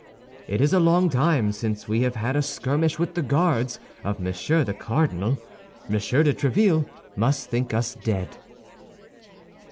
It is a long time since we have had a skirmish with the Guards of Monsieur the Cardinal; Monsieur de Tréville must think us dead."